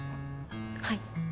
はい。